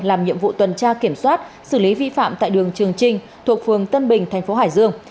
làm nhiệm vụ tuần tra kiểm soát xử lý vi phạm tại đường trường trinh thuộc phường tân bình thành phố hải dương